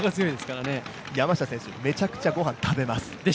山下選手、めちゃくちゃごはん食べます。